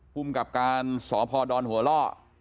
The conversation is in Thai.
กลุ่มกับการสอพอดอนหัวเลาะ